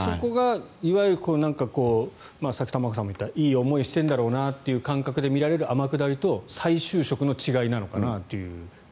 そこがいわゆるさっき玉川さんがいったいい思いをしてるんだろうなっていう感覚で見られる天下りと再就職との違いなんだろうなと。